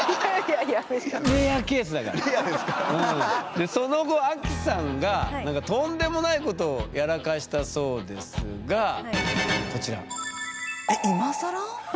でその後アキさんがなんかとんでもないことをやらかしたそうですがこちら。